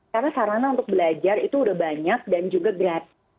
karena sarana untuk belajar itu udah banyak dan juga gratis